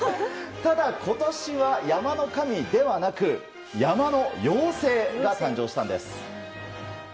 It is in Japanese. ただ、今年は山の神ではなく山の妖精が誕生したんです。